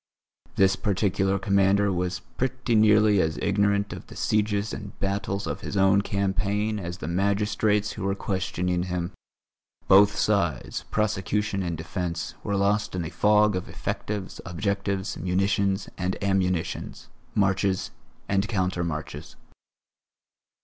This particular commander was pretty nearly as ignorant of the sieges and battles of his own campaign as the magistrates who were questioning him; both sides, prosecution and defence, were lost in a fog of effectives, objectives, munitions and ammunitions, marches and counter marches.